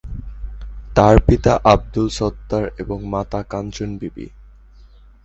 তার পিতা আব্দুল সত্তার এবং মাতা কাঞ্চন বিবি।